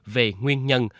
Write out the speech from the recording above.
về nguyên nhân